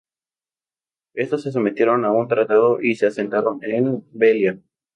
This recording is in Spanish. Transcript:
Estos se sometieron a un tratado y se asentaron en Velia.